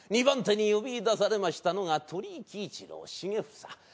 ２番手に呼びいだされましたのが鳥居喜一郎重房。